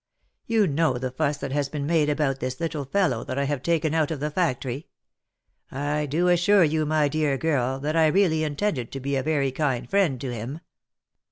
You know the fuss that has been made about this little fellow that I have taken out of the factory — I do assure you, my dear girl, that I really intended to be a very kind friend to him.